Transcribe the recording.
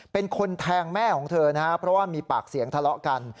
เป็นคนแทงแม่ของเธอนะครับเพราะว่ามีปากเสียงทะเลาะกัน